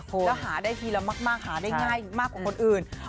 แล้วหาได้ทีละมากหาได้ง่ายมากกว่าคนอื่น